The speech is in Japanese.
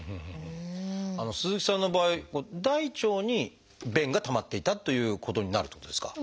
鈴木さんの場合大腸に便がたまっていたということになるってことですか？